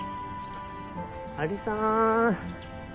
アリさん。